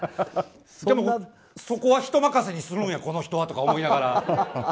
そこは人任せにするんやこの人は、とか思いながら。